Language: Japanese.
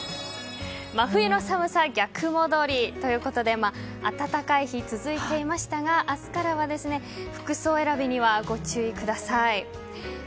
真冬の寒さ逆戻りということで暖かい日が続いていましたが明日からは服装選びにはご注意ください。